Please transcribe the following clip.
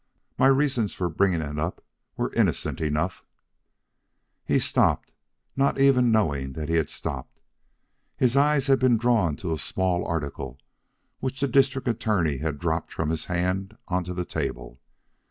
My reasons for bringing it up were innocent enough " He stopped not even knowing that he stopped. His eyes had been drawn to a small article which the District Attorney had dropped from his hand onto the table.